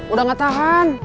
udah gak tahan